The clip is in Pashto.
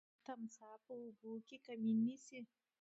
تمساح په اوبو کي کمین نیسي.